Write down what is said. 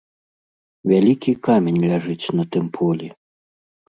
Вялікі камень ляжыць на тым полі.